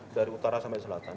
dari utara sampai selatan